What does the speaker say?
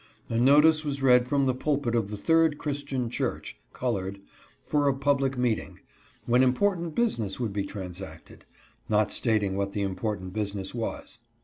A notice was read from the pulpit of the Third Christian Church (colored) for a public meeting, when important business would be transacted (not stating what the important business was).